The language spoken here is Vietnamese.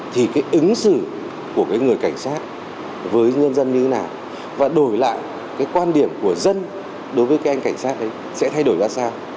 thì cái ứng xử của cái người cảnh sát với nhân dân như thế nào và đổi lại cái quan điểm của dân đối với cái anh cảnh sát đấy sẽ thay đổi ra sao